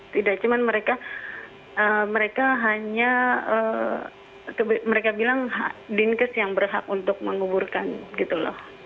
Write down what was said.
tidak cuma mereka hanya mereka bilang dinkes yang berhak untuk menguburkan gitu loh